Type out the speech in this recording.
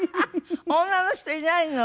女の人いないの？